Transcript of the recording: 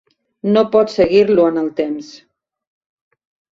No pots seguir-lo en el temps.